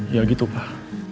iya gitu pak